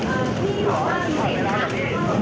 เอ่อที่ของเจ้าพิเศษนะครับ